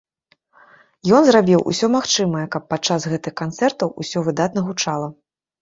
Ён зрабіў усё магчымае, каб падчас гэтых канцэртаў усё выдатна гучала.